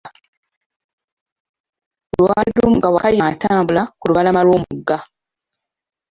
Lwali lumu, nga Wakayima atambula ku lubalama Iw'omugga.